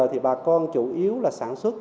thì bà con chủ yếu là sản xuất